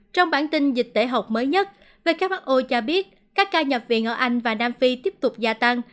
trong bản tin dịch tễ học mới nhất who cho biết các ca nhập viện ở anh và nam phi tiếp tục gia tăng